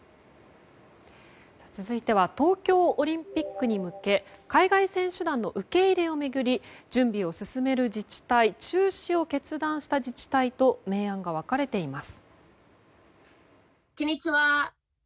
続いては東京オリンピックに向け海外選手団の受け入れを巡り準備を進める自治体中止を決断した自治体と明暗が分かれています。